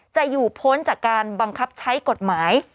จะอยู่พ้นจากการบังคับใช้กฎหมาย